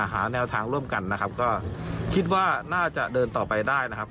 หาแนวทางร่วมกันนะครับก็คิดว่าน่าจะเดินต่อไปได้นะครับ